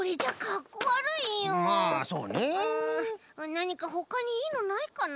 なにかほかにいいのないかな？